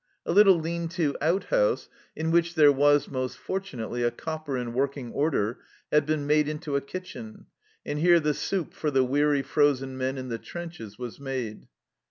A little lean to outhouse, in which there was, most fortu nately, a copper in working order, had been made into a kitchen, and here the soup for the weary, frozen men in the trenches was made.